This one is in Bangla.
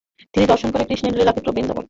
তিনি দর্শন করেন কৃষ্ণের লীলাক্ষেত্র বৃন্দাবন।